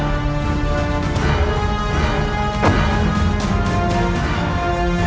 aku akan menangkapmu